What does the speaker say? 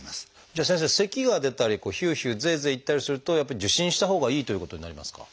じゃあ先生せきが出たりヒューヒューゼーゼーいったりするとやっぱり受診したほうがいいということになりますか？